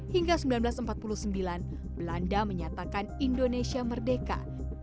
hingga seribu sembilan ratus empat puluh sembilan belanda menyatakan indonesia merdeka